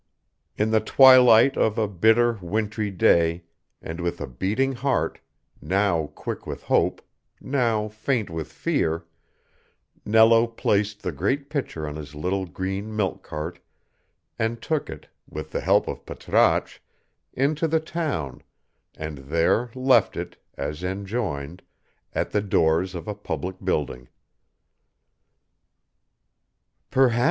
In the twilight of a bitter wintry day, and with a beating heart, now quick with hope, now faint with fear, Nello placed the great picture on his little green milk cart, and took it, with the help of Patrasche, into the town, and there left it, as enjoined, at the doors of a public building.